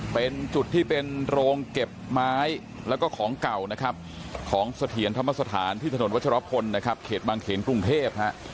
เป็นจุดที่เป็นโรงเก็บไม้และของเก่าของสเถียนธรรมสถานที่ถนนวัชโรภนธ์เขตบางเขตกรุงเทพฯ